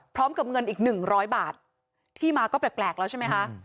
พร้อมกับเงินอีกหนึ่งร้อยบาทที่มาก็แปลกแล้วใช่ไหมคะ